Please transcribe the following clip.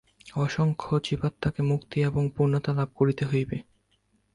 অসংখ্য জীবাত্মাকে মুক্তি এবং পূর্ণতা লাভ করিতে হইবে।